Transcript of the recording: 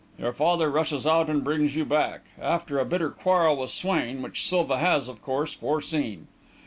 Your father rushes out and brings you back, after a bitter quarrel with Swain, which Silva has, of course, foreseen.